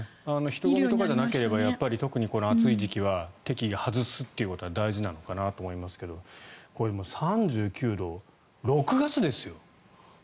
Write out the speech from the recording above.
人混みとかじゃなければ特にこの暑い時期は適宜外すということは大事なのかなと思いますが３９度、６月ですよ。